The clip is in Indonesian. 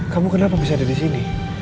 kamu kenapa bisa ada di sini